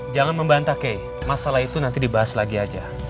jangan membantah kek masalah itu nanti dibahas lagi aja